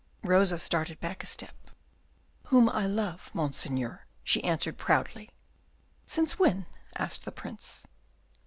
Rosa started back a step. "Whom I love, Monseigneur," she answered proudly. "Since when?" asked the Prince.